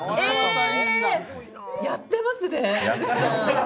やってますよ